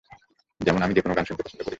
যেমন আমি যেকোনো গান শুনতে পছন্দ করি।